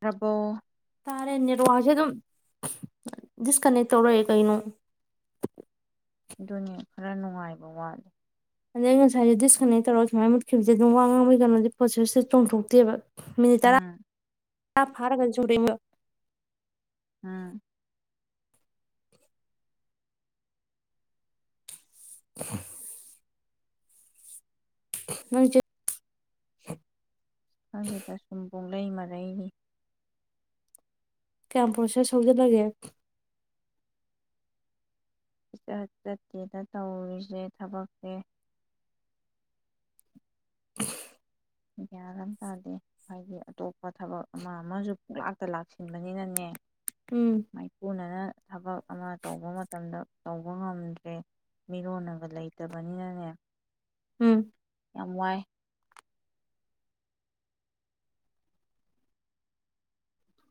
ꯄꯕꯣ ꯇꯥꯔꯦꯅꯦꯔ ꯋꯥꯁꯦ ꯑꯗꯨꯝ ꯗꯤꯁꯀꯅꯦꯛ ꯇꯧꯔꯛꯑꯦ ꯀꯩꯅꯣ ꯑꯗꯨꯅꯦ ꯈꯔ ꯅꯨꯡꯉꯥꯏꯕ ꯋꯥꯠꯂꯦ ꯑꯗꯩ ꯉꯁꯥꯏꯦ ꯗꯤꯁꯀꯅꯦꯛ ꯇꯧꯔꯒ ꯁꯨꯃꯥꯏꯅ ꯃꯨꯠꯈꯤꯕꯁꯦ ꯑꯗꯨꯝ ꯋꯥ ꯉꯥꯡꯕꯒꯤꯩꯅꯣꯗꯤ ꯄꯣꯁꯦꯁꯦ ꯆꯣꯡꯊꯣꯛꯇꯦꯕ ꯃꯤꯅꯤꯠ ꯇꯔꯥ ꯎꯝ ꯑ ꯐꯥꯔ ꯀꯟꯖ ꯎꯔꯉ ꯑꯝ ꯑ ꯅꯪ ꯆ ꯑꯪꯒꯤꯗꯁꯨꯨꯝꯕꯣꯡ ꯂꯩ ꯃꯔ ꯑꯩꯥꯏ ꯀꯌꯥꯝꯄ꯭ꯔꯁꯦ ꯁꯧꯖꯦ ꯊꯒꯦ ꯏꯆ ꯍ ꯆꯠꯇꯦꯗ ꯇꯧꯔꯤꯁꯦ ꯊꯕꯛꯁꯦ ꯗꯤꯌꯥꯔꯝ ꯇꯥꯗꯦ ꯍꯥꯏꯗꯤ ꯑꯇꯣꯞꯄ ꯊꯕꯛ ꯑꯃ ꯑꯃꯁꯨ ꯄꯣꯛꯂꯥꯛꯇ ꯂꯥꯛꯁꯤꯟꯕꯅꯤꯅꯅꯦ ꯎꯝ ꯃꯥꯏꯄꯨꯅꯅ ꯊꯕꯛ ꯑꯃ ꯇꯧꯕ ꯃꯇꯝꯗ ꯇꯧꯕ ꯉꯝꯗ꯭ꯔꯦ ꯃꯤꯔꯣꯟꯂꯒ ꯂꯩꯇꯕꯅꯤꯅꯅꯦ ꯎꯝ꯫ ꯌꯥꯝ ꯋꯥꯏ꯫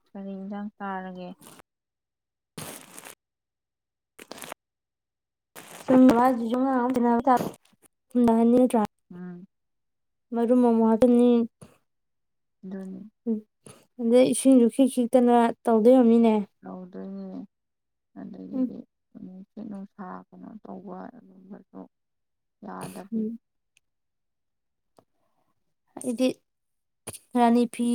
ꯀꯔꯤ ꯏꯟꯖꯥꯡ ꯆꯥꯔꯒꯦ? [unintelligible] ꯎꯝ꯫ ꯃꯔꯨ ꯃꯃꯥꯗꯅꯤ ꯗꯨꯅꯤ꯫ ꯑꯗꯩ ꯏꯁꯤꯡꯖ ꯈꯤꯛ - ꯈꯤꯛꯇꯅ ꯇꯧꯗꯣꯏ ꯑꯣꯏꯔꯝꯅꯤꯅꯦ꯫ [inaudible] ꯎꯝ ꯑꯗꯒꯗꯤ ꯑꯃꯨꯛ ꯅꯨꯡꯁꯥ ꯀꯩꯅꯣ ꯇꯧꯕ ꯑꯗꯨꯝꯕꯗꯣ ꯌꯥꯗꯕꯤ ꯎꯝ ꯑꯩꯗꯤ ꯔꯥꯅꯤ ꯐꯤ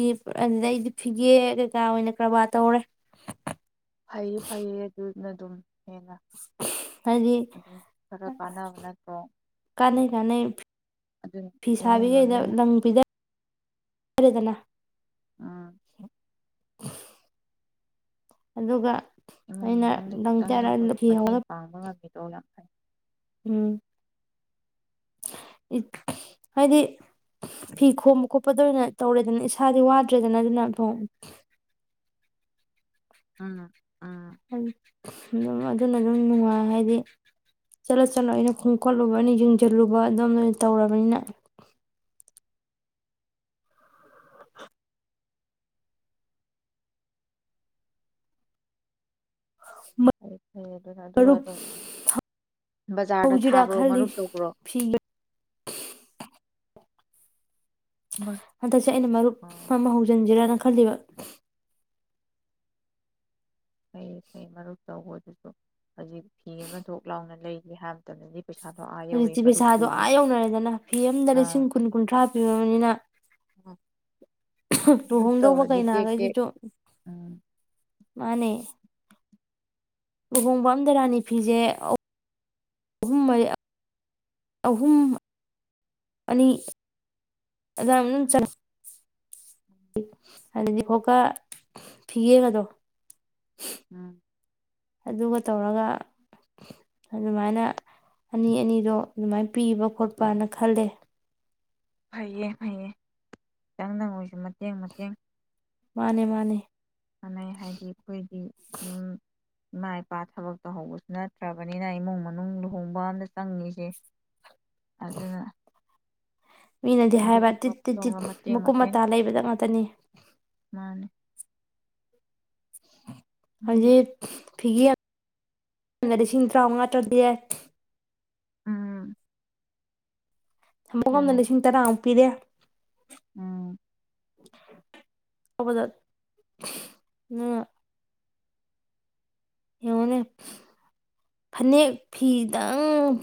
ꯑꯗꯨꯗ ꯑꯩꯗꯤ ꯐꯤꯒꯦ ꯀꯩꯀꯥ ꯑꯣꯏꯅ ꯀꯔꯕꯥꯔ ꯇꯧꯔꯦ꯫ ꯐꯩꯌꯦ- ꯐꯩꯌꯦ ꯑꯗꯨꯅ ꯗꯨꯝ꯫ ꯍꯥꯏꯗꯤ ꯈꯔ ꯀꯥꯟꯅꯕ ꯅꯠꯇ꯭ꯔꯣ ꯀꯥꯅꯩ- ꯀꯥꯟꯅꯩ ꯑꯗꯨ ꯐꯤ ꯏꯃꯨꯡ ꯁꯥꯕꯤꯈꯩꯗ ꯃꯅꯨꯡ ꯂꯪ ꯄꯤꯗ ꯔꯦꯗꯅ ꯑꯥ꯫ ꯑꯗꯨꯒ ꯏꯃꯨꯡ ꯑꯩꯅ ꯃꯅꯨꯡꯗ ꯈꯤꯇꯪꯗ [unintelligible] ꯐꯤ ꯃꯇꯦꯡ ꯍꯧꯅ [unintelligible] ꯎꯝ ꯏꯠ ꯍꯥꯏꯗꯤ ꯐꯤ ꯈꯣꯝꯕ ꯈꯣꯠꯄꯗ ꯑꯣꯏꯅ ꯇꯧꯔꯦꯗꯅ ꯏꯁꯥꯗꯤ ꯋꯥꯗ꯭ꯔꯦꯗꯅ ꯑꯗꯨꯅ ꯐꯨꯡ ꯎꯝ- ꯎꯝ- ꯎꯝ꯫ ꯎꯝ ꯑꯗꯨꯅ ꯑꯗꯨꯝ ꯅꯨꯡꯉꯥꯏ ꯍꯥꯏꯗꯤ ꯆꯠꯂ- ꯆꯠꯂ ꯑꯩꯅ ꯈꯣꯡꯀꯠꯂꯨꯕ ꯑꯩꯅ ꯌꯦꯡꯁꯤꯜꯂꯨꯕ ꯑꯗꯨꯝ ꯑꯣꯏꯅ ꯇꯧꯔꯕꯅꯤꯅ꯫ [inaudible] ꯐꯩ ꯑꯗꯨꯅ ꯑꯗꯨꯒ ꯃꯔꯨꯞ ꯑꯗꯨꯝ ꯕꯖꯥꯔꯗ ꯍꯧꯁꯤꯔꯥ ꯊꯥꯕ꯭ꯔꯣ ꯈꯜꯂꯤ ꯃꯔꯨꯞ ꯇꯧꯕ꯭ꯔꯣ? ꯐꯤ ꯍꯟꯗꯛꯁꯦ ꯑꯩꯅ ꯃꯔꯨꯞ ꯑꯣ ꯑꯃ ꯍꯧꯖꯟꯖꯤꯔꯅ ꯈ ꯈꯂꯤꯕ ꯐꯩ ꯐꯩ ꯃꯔꯨꯞ ꯇꯧꯕꯗꯨꯖꯨ ꯍꯧꯖꯤꯛ ꯐꯤ ꯑꯃ ꯊꯣꯛ ꯂꯥꯎꯅ ꯂꯩꯒꯦ ꯍꯥꯏꯕꯗ ꯍꯨꯀꯤꯛ ꯍꯧꯖꯤꯛꯇꯤ ꯄꯩꯁꯥꯗꯣ ꯑꯥ ꯌꯧꯅꯔꯦꯗꯅ ꯐꯤ ꯑꯃꯝꯗ ꯂꯤꯁꯤꯡ ꯑꯥ ꯀꯨꯟ - ꯀꯨꯟꯊ꯭ꯔꯥ ꯄꯤꯔꯕꯅꯤꯅ ꯃꯔꯨꯞ ꯂꯨꯍꯣꯡꯗꯧꯕ ꯇꯧꯔꯗꯤ ꯇꯦꯛ ꯇꯦꯛ ꯀꯩꯩꯅꯒꯩꯖꯤꯖꯨ ꯎꯝ ꯃꯥꯅꯦ꯫ ꯂꯨꯍꯣꯡꯕ ꯑꯝꯗ ꯔꯥꯅꯤ ꯐꯤꯖꯦ ꯑ ꯍꯨꯝ ꯃ ꯑꯍꯨꯝ ꯑꯍꯨꯝ ꯃꯔꯤ ꯑꯗꯨꯗꯥ ꯑꯗꯨꯗꯤ ꯈꯣꯀ ꯐꯤꯒꯦꯒꯗꯣ꯫ ꯎꯝ꯫ ꯑꯗꯨꯒ ꯇꯧꯔꯒ ꯑꯗꯨꯃꯥꯏꯅ ꯑꯅꯤ - ꯑꯅꯤꯗꯣ ꯑꯗꯨꯃꯥꯏꯅ ꯄꯤꯕ ꯈꯣꯠꯄꯅ ꯈꯜꯂꯦ꯫ ꯐꯩꯌꯦ - ꯐꯩꯌꯦ ꯈꯤꯇꯪꯗ ꯑꯣꯏꯁꯨ ꯃꯇꯦꯡ- ꯃꯇꯦꯡ ꯃꯥꯅꯦ- ꯃꯥꯅꯦ꯫ ꯃꯥꯟꯅꯤ ꯍꯥꯏꯗꯤ ꯑꯩꯈꯣꯏꯗꯤ ꯗꯨꯝ ꯏꯃꯥ ꯏꯄꯥ ꯊꯕꯛ ꯇꯧꯍꯧꯕꯁꯨ ꯅꯠꯇ꯭ꯔꯕꯅꯤꯅ ꯏꯃꯨꯡ ꯃꯅꯨꯡ ꯂꯨꯍꯣꯡꯕ ꯑꯝꯗ ꯆꯪꯉꯤꯖꯦ ꯑꯗꯨꯅ ꯃꯤꯅꯗꯤ ꯍꯥꯏꯕ ꯑꯗꯨꯒꯨꯝꯕ ꯇꯤꯠ ꯇꯤꯠ ꯇꯤꯠ ꯇꯧꯔ ꯃꯇꯦꯡ ꯃꯀꯨꯞ ꯃꯇꯦꯡ ꯃꯇꯥ ꯂꯩꯕꯗ ꯉꯥꯛꯇꯅꯤ ꯃꯥꯅꯤ ꯑꯗꯨꯅ ꯍꯥꯏꯖꯤ ꯐꯤꯒꯒ ꯂꯤꯁꯤꯡ ꯇꯔꯥꯃꯉꯥ ꯇꯔꯥꯗꯤꯦ ꯎꯝ ꯊꯝꯕꯒꯝꯗꯅ ꯑꯗꯨꯅꯦ ꯂꯤꯁꯤꯡ ꯇꯔꯥꯃꯨꯛ ꯄꯤꯗꯦ ꯎꯝ ꯀꯕꯖꯠ ꯎ ꯌꯦꯡꯉꯣꯅꯦ ꯐꯅꯦꯛ ꯐꯤꯗꯪ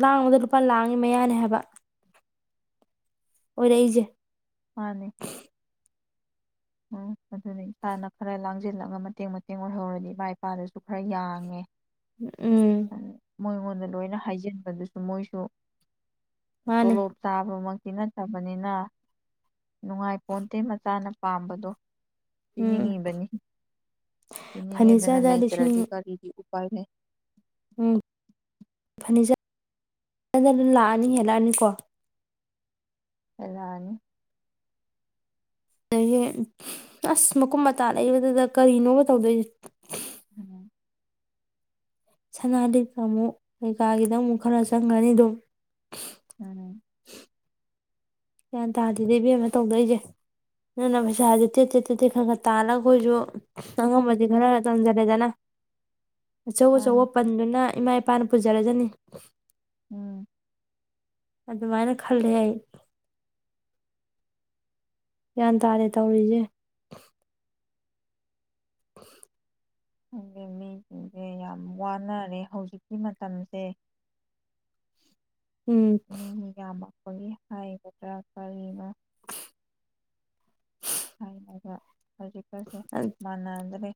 ꯂꯥꯡꯕꯗ ꯂꯨꯄꯥ ꯂꯥꯡꯉꯤ ꯃꯌꯥꯅꯦ ꯍꯥꯏꯕ ꯑꯣ ꯂꯩꯩꯖꯦ ꯃꯥꯅꯦ ꯎꯝ ꯑꯗꯨꯅ ꯏꯁꯥꯅ ꯈꯔ ꯂꯥꯡꯁꯤꯜꯂꯒ ꯃꯇꯦꯡ ꯃꯇꯦꯡ ꯑꯣꯏꯍꯧꯔꯗꯤ ꯏꯃꯥ ꯏꯄꯥꯗꯁꯨ ꯈꯔ ꯌꯥꯡꯉꯦ ꯎꯝ ꯃꯣꯏꯉꯣꯟꯗ ꯂꯣꯏꯅ ꯍꯥꯏꯖꯤꯟꯕꯗꯨꯁꯨ ꯃꯣꯏꯁꯨ ꯃꯥꯅꯦ ꯆꯂꯣ ꯆꯕ ꯑꯃ ꯊꯤꯟꯅꯗꯕꯅꯤꯅ ꯅꯨꯡꯉꯥꯏ ꯄꯣꯟꯗꯦ ꯃꯆꯥꯅ ꯄꯥꯝꯕꯗꯣ ꯎꯝ ꯄꯤꯅꯤꯡꯉꯤꯕꯅꯤ ꯄꯤꯅꯤꯡꯉꯦꯗꯅ ꯐꯔꯅꯤꯆꯔꯗ ꯂꯤꯁꯤꯡ ꯂꯩꯇ꯭ꯔꯗꯤ ꯀꯔꯤꯒꯤ ꯄꯅꯦ ꯍꯖ ꯂꯥꯛꯑꯅꯤ ꯍꯦꯜꯂꯛꯑꯅꯤꯀꯣ ꯑꯦꯗꯥꯅꯤ ꯑꯗꯒꯤ ꯑꯁ ꯃꯀꯨꯝ ꯃꯇꯥ ꯂꯩꯏꯕꯗꯨꯗ ꯀꯔꯤꯅꯣꯕ ꯇꯧꯗꯣꯏꯁꯦ ꯎꯝ ꯁꯅꯥ ꯂꯤꯛꯇ ꯑꯃꯨꯛ ꯀꯩꯀꯥꯒꯤꯗ ꯑꯃꯨꯛ ꯈꯔ ꯆꯪꯒꯅꯤ ꯑꯗꯨꯝ ꯎꯝ ꯒ꯭ꯌꯥꯟ ꯇꯥꯗꯦꯗꯦꯕꯦꯝ ꯑꯃ ꯇꯧꯗꯣꯏꯁꯦ ꯅꯪꯅ ꯄꯩꯁꯥꯁꯦ ꯇꯦꯠ ꯇꯦꯠ ꯇꯦꯠꯇꯦ ꯈꯔ ꯈꯔ ꯇꯥꯜꯂꯒ ꯑꯩꯈꯣꯏꯁꯨ ꯑꯉꯝꯕꯗꯤ ꯈꯔ ꯈꯔ ꯇꯝꯖꯔꯦꯗꯅ ꯑꯆꯧ ꯑꯆꯧꯕ ꯃꯥꯅꯦ ꯄꯟꯗꯨꯅ ꯏꯃꯥ ꯏꯄꯥ ꯄꯥꯅ ꯄꯨꯖꯥꯔꯖꯅꯤ ꯎꯝ ꯑꯗꯨꯃꯥꯏꯅ ꯈꯜꯂꯦ ꯑꯩ ꯒ꯭ꯌꯥꯟ ꯇꯥꯔꯦ ꯇꯧꯔꯤꯁꯦ [inaudible] ꯑꯗꯤ ꯃꯤꯁꯤꯡꯁꯦ ꯌꯥꯝ ꯋꯥꯅꯔꯦ ꯍꯧꯖꯤꯛꯀꯤ ꯃꯇꯝꯁꯦ ꯎꯝ ꯑꯩꯈꯒꯤ ꯍꯥꯏꯒꯗ꯭ꯔꯥ ꯀꯜꯂꯤꯕ ꯍꯥꯏ ꯍꯧꯖꯤ ꯐꯁꯦ ꯃꯅ ꯑꯗꯔꯦ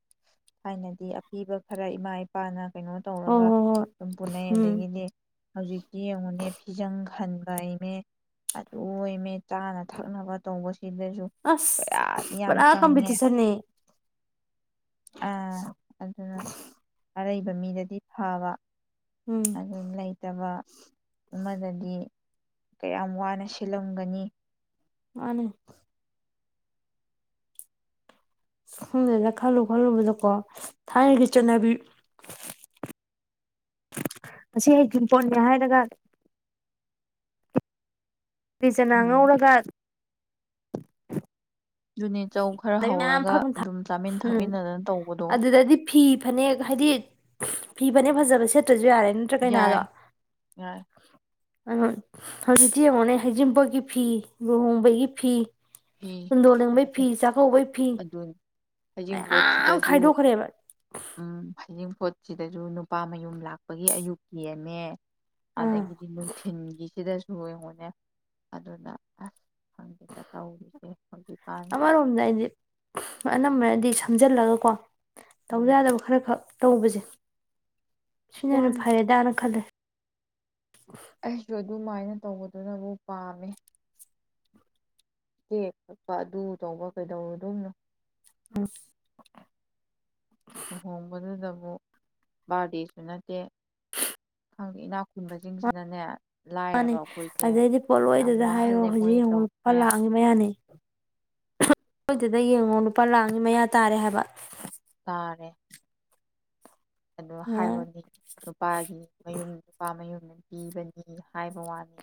ꯊꯥꯏꯅꯗꯤ ꯑꯄꯤꯕ ꯈꯔ ꯏꯃꯥ ꯏꯄꯥꯅ ꯀꯩꯅꯣ ꯍꯣꯏ ꯇꯧꯔꯒ ꯍꯣꯏ ꯍꯣꯏ ꯑꯗꯨꯝ ꯄꯨꯅꯩ ꯎꯝ ꯑꯗꯒꯤꯗꯤ ꯍꯧꯖꯤꯛꯇꯤ ꯌꯦꯡꯉꯨꯅꯦ ꯐꯤꯖꯪ ꯈꯟꯕ ꯏꯃꯦ ꯑꯗꯨ ꯏꯃꯦ ꯆꯥꯅ ꯊꯛꯅꯕ ꯇꯧꯕꯁꯤꯗ ꯑꯁ ꯄꯨꯔꯥ ꯀꯝꯕꯇ ꯆꯅꯤ ꯑꯥ ꯑꯗꯨꯅ ꯑꯔꯩꯕ ꯃꯤꯗꯗꯤ ꯊꯥꯕ ꯎꯝ ꯑꯗꯨꯝ ꯂꯩꯇꯕ ꯑꯃꯗꯗꯤ ꯀꯌꯥꯝ ꯋꯥꯅ ꯁꯤꯜꯂꯝꯒꯅꯤ ꯃꯥꯅꯦ ꯁꯨꯝꯗꯅ ꯈꯜꯂꯨ ꯈꯜꯂꯨꯕꯗꯀꯣ ꯊꯥꯏꯅꯒꯤ ꯆꯠꯅꯕꯤ ꯑꯁꯤ ꯍꯛꯇꯤꯡꯄꯣꯟꯒ ꯍꯥꯏꯔꯒ ꯔꯤꯖꯅꯥ ꯎꯝ ꯉꯧꯔꯒ ꯑꯗꯨꯨꯅꯦ ꯆꯧ ꯈꯔ ꯂꯩ ꯃꯌꯥꯝ ꯍꯧꯔꯒ ꯐꯛ ꯑꯗꯨꯝ ꯆꯥꯃꯤꯟ ꯎꯝ ꯊꯛꯃꯤꯟꯅꯗꯅ ꯇꯧꯕꯗꯣ ꯑꯗꯨꯗꯗꯤ ꯐꯤ ꯐꯅꯦꯛ ꯍꯥꯏꯗꯤ ꯐꯤ ꯐꯅꯦꯛ ꯐꯖꯕ ꯁꯦꯠꯇ꯭ꯔ ꯌꯥꯔꯦ ꯅꯠꯇ꯭ꯔꯥ ꯀꯅꯥꯗꯣ ꯌꯥꯏ ꯌꯥꯏ ꯑ ꯍꯧꯖꯤꯛꯇꯤ ꯌꯦꯡꯉꯣꯅꯦ ꯍꯩꯖꯤꯤꯡꯕꯒꯤ ꯐꯤ ꯂꯨꯍꯣꯡꯕꯒꯤ ꯐꯤ ꯐꯤ ꯍꯣꯒ ꯄꯁꯥ ꯈ ꯎꯕꯣꯏ ꯐꯤ ꯑꯗꯨꯅꯤ ꯃꯌꯥꯝ ꯍꯩꯖꯤꯡꯄꯣꯠꯁꯤꯗꯁꯨ ꯈꯥꯏꯗꯣꯛꯈ꯭ꯔꯦꯕ ꯎꯝ ꯍꯩꯖꯤꯡꯄꯣꯠ ꯁꯤꯗꯁꯨ ꯅꯨꯄꯥ ꯃꯌꯨꯝ ꯂꯥꯛꯄꯒꯤ ꯑꯌꯨꯛ ꯌꯦꯦꯝꯃꯦ ꯑꯥ ꯑꯗꯗꯒꯤꯗꯤ ꯂꯅꯨꯡ ꯊꯤꯟꯒꯤꯁꯤꯗ ꯂꯉꯣꯅꯦ ꯑꯗꯨꯅ ꯑꯁ ꯇ [inaudible] ꯆꯥꯎꯔꯤꯁꯦ ꯑꯃꯔꯣꯝꯗ ꯑꯩꯗꯤ ꯑꯅꯝꯕꯅꯗꯤ ꯁꯝ ꯁꯤꯖꯤꯜꯂꯒ ꯀꯣ ꯇꯧ ꯎꯝ ꯌꯥꯗꯕ ꯈꯔ ꯈꯛ ꯇꯧꯕꯁꯦ ꯁꯤꯅꯅꯦ ꯐꯔꯦꯗꯥꯅ ꯈꯜꯂꯦ ꯑꯁ ꯌ ꯑꯗꯨꯃꯥꯏꯅ ꯇꯧꯕꯗꯨꯅꯕꯨ ꯄꯥꯝꯃꯦ ꯏꯦꯛ ꯀꯛꯄ ꯑꯗꯨ ꯇꯧꯕ ꯀꯩꯗꯧꯔꯨꯗꯣꯝꯅꯣ ꯎꯝ ꯂꯨꯍꯣꯡꯕꯗꯨꯗꯕꯨꯨꯛ ꯕꯥꯔꯗꯦꯁꯨ ꯅꯠꯇꯦ [inaudible] ꯈꯪꯗꯦ ꯏꯅꯥꯎ ꯈꯨꯨꯟꯕꯁꯤꯡꯁꯤꯅꯅꯦ ꯃꯥꯅꯤ ꯑꯗꯩꯗꯤ ꯄꯣꯠꯂꯣꯏꯗꯨꯗ ꯍꯥꯏꯌꯣ ꯋꯥꯍꯜꯂꯦ ꯍꯧꯖꯤꯛ ꯃꯣꯏꯅ ꯇꯧꯔꯤ ꯌꯦꯡꯉꯣꯛꯄ ꯃꯌꯥꯝ ꯂꯥꯛꯑꯅꯤꯤ ꯃ ꯌꯥꯅꯤ ꯁꯣꯏꯗꯨꯗ ꯌꯦꯡꯉꯣ ꯂꯨꯄꯥ ꯂꯥꯛꯅꯤꯤ ꯃꯌꯥ ꯇꯥꯔꯦ ꯍꯥꯏꯕ ꯇꯥꯔꯦ ꯑꯣ ꯍꯥꯏꯕꯅꯤ ꯅꯨꯄꯥꯒꯤ ꯃꯌꯨꯝ ꯅꯨꯄꯥ ꯃꯌꯨꯝ ꯄꯤꯕꯅꯤ ꯍꯥꯏꯕ ꯋꯥꯅꯤ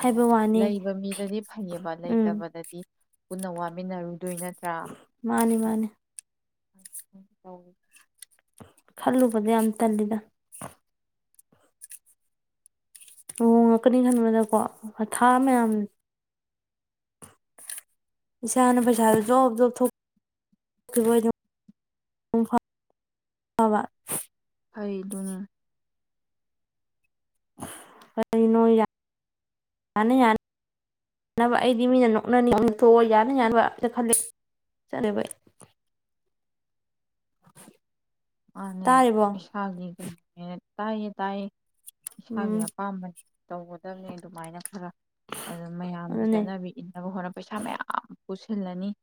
ꯑꯗꯨ ꯋꯥꯅꯤ ꯂꯩꯕ ꯃꯤꯗꯗꯤ ꯐꯩꯌꯦꯕ ꯎꯝ ꯂꯩꯇꯕꯗꯗꯤ ꯄꯨꯟꯅꯧꯃꯤꯟꯅꯔ ꯑꯗꯨꯏ ꯅꯠꯇ꯭ꯔꯥ ꯃꯥꯅꯤ ꯃꯥꯅꯤ ꯇ ꯈꯜꯂꯨꯕꯗ ꯌꯥꯝ ꯇꯜꯂꯤꯗ ꯂꯣꯡꯉꯛꯀꯅꯤ ꯈꯟꯕꯗꯀꯣ ꯑꯊꯥ ꯃꯌꯥꯝ ꯁꯌꯥꯅ ꯄꯩꯁꯥꯗ ꯣꯕ ꯣꯕ ꯊꯣꯛ ꯇꯣꯏ ꯑꯋꯥ ꯍꯩꯗꯨꯅꯤ ꯀꯔꯤꯅꯣꯅ ꯌꯥꯅꯕ ꯑꯩꯗꯤ ꯃꯤꯅ ꯅꯣꯛꯅꯅꯤ ꯊꯣꯛꯣꯛꯑꯣ ꯌꯥꯅ ꯌꯥꯕ ꯈꯜꯂꯤ ꯆꯠꯂꯦꯕ ꯑꯩ ꯃꯥꯅꯦ ꯏꯁꯥꯒꯤ ꯀ ꯇꯥꯏꯌꯦ ꯇꯥꯏꯌꯦ ꯁꯒꯦ ꯎꯝ ꯄꯥꯝꯕꯅꯤ ꯇꯧꯒꯗꯕꯅꯤ ꯑꯗꯨꯃꯥꯏꯅ ꯈꯔ ꯑꯗꯨ ꯃꯌꯥꯝꯒꯤ ꯑꯗꯨꯅꯦ ꯆꯠꯅꯕꯤ ꯏꯟꯅꯕ ꯍꯣꯠꯅꯕ ꯄꯩꯁꯥ ꯃꯌꯥꯝ ꯄꯨꯁꯤ ꯊꯜꯂꯅꯤ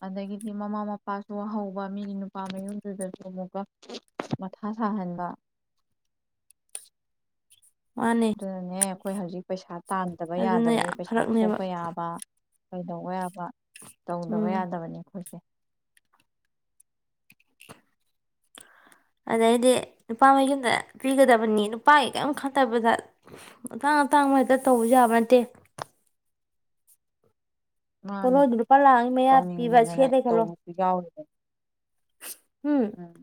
ꯑꯗꯒꯤꯗꯤ ꯃꯃꯥ ꯃꯄꯥꯁꯨ ꯍꯧꯕ ꯃꯤꯒꯤ ꯅꯨꯄꯥ ꯃꯌꯨꯝꯗꯨꯗꯁꯨ ꯑꯃꯨꯛ ꯃꯊꯥ ꯁꯥꯍꯟꯕ ꯃꯥꯅꯦ ꯅꯦꯦ ꯍꯣꯏ ꯍꯧꯖꯤꯛ ꯄꯩꯁꯥ ꯇꯥꯟꯗꯕ ꯑꯗꯨꯅ ꯌꯥꯗꯕꯅꯤ ꯌꯥꯝ ꯄꯩꯁꯥ ꯐꯔꯛꯅꯦꯕ ꯊꯣꯛꯄ ꯌꯥꯕ ꯀꯩꯗꯧꯕ ꯌꯥꯕ ꯇꯧꯗꯕ ꯎꯝ ꯌꯥꯗꯕꯅꯦ ꯑꯩꯣꯏ ꯑꯗꯩꯗꯤ ꯅꯨꯄꯥ ꯃ ꯌꯨꯝꯗ ꯄꯤꯒꯗꯕꯅꯤ ꯅꯨꯄꯥꯒꯤ ꯀꯔꯤꯝ ꯈꯠꯇꯕꯗ ꯑꯇꯥꯡ ꯑꯇꯥꯡ ꯍꯦꯛꯇ ꯇꯧꯕ ꯌꯥꯕ ꯅꯠꯇꯦ ꯃꯥꯅꯦ ꯄꯣꯠꯂꯣꯏꯗꯨ ꯂꯨꯄꯥ ꯂꯥꯛ ꯑꯃꯒꯤ ꯃꯌꯥ ꯄꯤꯕ ꯇꯧꯅꯤꯡꯉꯦꯗꯅ ꯁꯦꯠꯂꯦ ꯈꯜꯂꯣ ꯇꯧꯕꯁꯨ ꯌꯥꯎꯔꯤꯅꯦ ꯎꯝ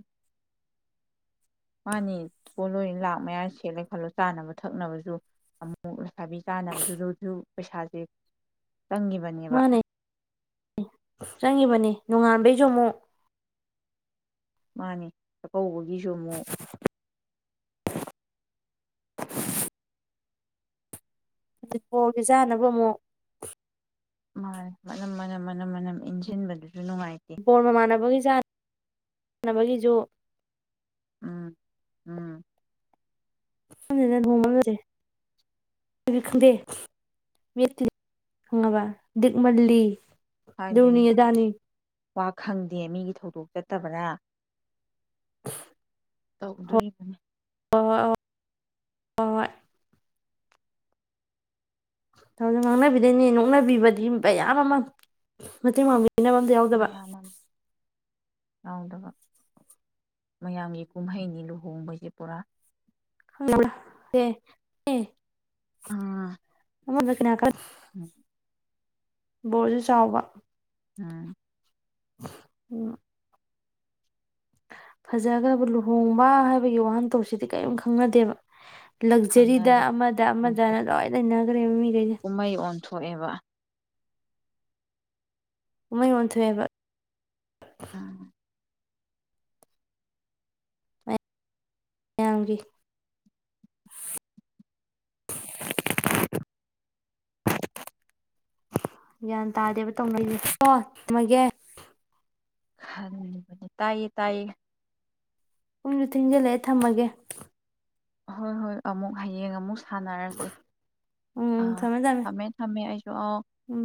ꯃꯥꯅꯤ ꯄꯣꯠꯂꯣꯏ ꯂꯥꯛ ꯃꯌꯥ ꯁꯦꯠꯂꯦ ꯈꯜꯂꯣ ꯆꯥꯅꯕ ꯊꯛꯅꯕꯁꯨ ꯑꯃꯨꯛ ꯊꯕꯤ ꯀꯥꯟꯅꯕꯗꯨꯗꯁꯨ ꯄꯩꯁꯥꯖꯦ ꯃꯥꯅꯦ ꯆꯪꯉꯤꯕꯅꯦ ꯅꯣꯡꯉꯥꯟꯕꯩ ꯆꯃꯨ ꯃꯥꯅꯤ ꯆꯥꯛꯀꯧꯕꯒꯤꯁꯨ ꯑꯃꯨꯛ ꯑꯗꯨꯠꯄꯣꯔꯒꯤ ꯆꯥꯅꯕ ꯑꯃꯨꯛ ꯃꯥ ꯃꯅꯝ ꯃꯅꯝ ꯃꯅꯝ ꯃꯅꯝ ꯏꯟꯁꯤꯟꯕꯗꯨꯗꯤ ꯣꯔꯣꯔ ꯃꯃꯥꯟꯅꯕꯕꯨꯣꯒꯤ ꯆ ꯅꯕꯒꯤꯖꯣ ꯎꯝ ꯎꯝ ꯣꯡꯃꯦ ꯈꯪꯗꯦ ꯈꯪꯉꯕ ꯗꯤꯛꯃꯜꯂꯤ ꯍꯥꯏꯗꯣꯏꯅꯦ ꯔꯅꯤꯌꯗꯥꯅꯤ ꯋꯥ ꯈꯪꯗꯦ ꯃꯤꯒꯤ ꯊꯧꯗꯣꯛ ꯆꯠꯇꯕꯅ [inaudible] ꯇꯧꯗꯣꯔꯤꯕꯅꯤ ꯍ ꯍꯣꯏ ꯉꯥꯡꯅꯕꯤꯗꯣꯏꯅꯦ ꯅꯣꯛꯅꯕꯤꯕꯗꯤ ꯃꯌꯥꯝ ꯑꯃ ꯃꯇꯦꯡꯥꯡꯕꯤ ꯄꯅꯐꯝ ꯑꯝꯗ ꯌꯥꯎꯗꯕ ꯃꯌꯥꯝ ꯑꯃ ꯌꯥꯎꯗꯕ ꯃꯌꯥꯝꯒꯤ ꯀꯨꯝꯍꯩꯅꯤ ꯂꯨꯍꯣꯡꯕꯁꯦ ꯄꯨꯔꯥ ꯍ ꯑꯃꯗ ꯀꯅꯥꯀ ꯎꯝ ꯕꯣꯔꯁꯨ ꯆꯥꯎꯕ ꯑꯝ ꯎꯝ ꯐꯖꯈ꯭ꯔꯕ ꯂꯨꯍꯣꯡꯕ ꯍꯥꯏꯕꯒꯤ ꯋꯥꯍꯟꯊꯣꯛꯁꯤꯗꯤ ꯀꯔꯤꯝ ꯈꯪꯅꯗꯦꯕ ꯂꯛꯖꯔꯤꯗ ꯈꯪꯅꯗꯦ ꯑꯃꯗ ꯑꯃꯗꯅ ꯂꯣꯏ ꯂꯩꯈ꯭ꯔꯦ ꯃꯤꯈꯩꯗ ꯀꯨꯝꯍꯩ ꯑꯣꯟꯊꯣꯛꯑꯦꯕ ꯎꯃꯩ ꯃꯟꯊꯦꯕ ꯃꯌꯥꯝꯒꯤ ꯒ꯭ꯌꯥꯟ ꯇꯥꯗꯦꯕ ꯇꯧꯅꯔꯤꯣ ꯊꯃꯒꯦ ꯈ ꯇꯌꯦ ꯇꯥꯏꯌꯦ ꯄꯨꯡꯁꯨ ꯊꯤꯟꯖꯤꯜꯂꯛꯑꯦ ꯊꯝꯃꯒꯦ ꯍꯣꯏ ꯍꯣꯏ ꯑꯃꯨꯛ ꯍꯌꯦꯡ ꯑꯃꯨꯛ ꯁꯥꯟꯅꯔꯁꯦ ꯑꯥ ꯊꯝꯃꯦ ꯊꯝꯃꯦ ꯑꯩꯁꯨ ꯑꯧ ꯎꯝ